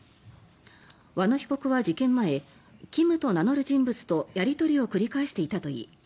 和野被告は事件前ＫＩＭと名乗る人物とやり取りを繰り返していたといい